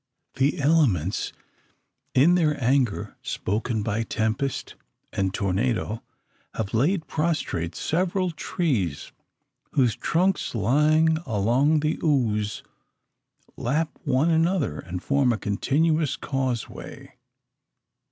The elements in their anger, spoken by tempest and tornado, have laid prostrate several trees, whose trunks, lying along the ooze, lap one another, and form a continuous causeway.